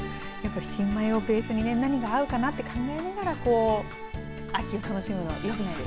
新米をベースに何が合うかなって考えながら秋を楽しむのよくないですか。